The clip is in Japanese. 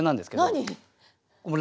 何？